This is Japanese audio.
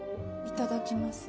いただきます。